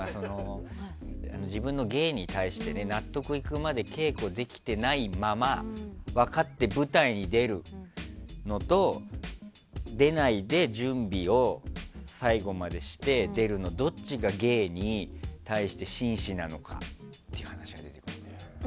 自分の芸に対して納得いくまで稽古できてないまま分かって舞台に出るのと出ないで準備を最後までして出るのと、どっちが芸に対して真摯なのかっていう話が出てくる。